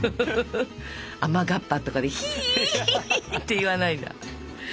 雨がっぱとかでひーひーって言わないんだ。